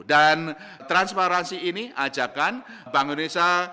dan transparansi ini ajakkan bank indonesia